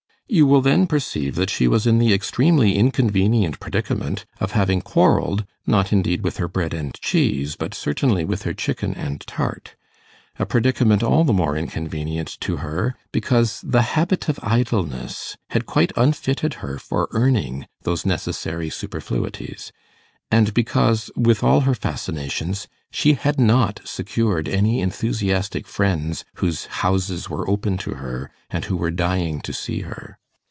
You will then perceive that she was in the extremely inconvenient predicament of having quarrelled, not indeed with her bread and cheese, but certainly with her chicken and tart a predicament all the more inconvenient to her, because the habit of idleness had quite unfitted her for earning those necessary superfluities, and because, with all her fascinations, she had not secured any enthusiastic friends whose houses were open to her, and who were dying to see her.